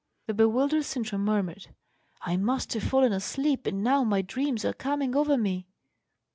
The bewildered Sintram murmured, "I must have fallen asleep; and now my dreams are coming over me!"